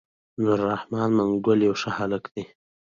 نور رحمن منګل يو ښه هلک دی.